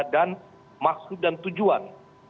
dan maksud dan tujuan